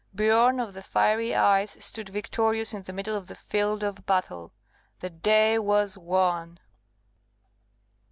Biorn of the Fiery Eyes stood victorious in the middle of the field of battle. The day was won.